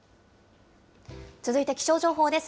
続いて気象情報です。